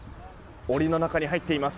檻の中に入っています。